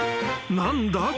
［何だ？